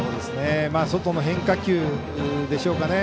外の変化球でしょうかね。